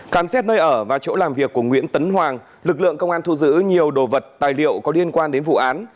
khám xét nơi ở và chỗ làm việc của nguyễn tấn hoàng lực lượng công an thu giữ nhiều đồ vật tài liệu có liên quan đến vụ án